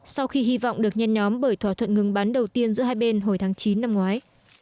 sau khi hy vọng được nhen nhóm bởi thỏa thuận ngừng bắn đầu tiên giữa hai bên hồi tháng chín năm ngoái